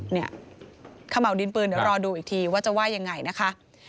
ขม่าวดินปืนเดี๋ยวรอดูอีกทีว่าจะว่ายังไงนะคะ